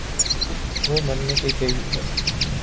وہ مرنے کے قریب ہے